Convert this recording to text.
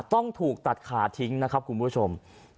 ต้องถูกตัดขาทิ้งนะครับคุณผู้ชม